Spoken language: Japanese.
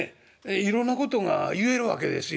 いろんなことが言えるわけですよ。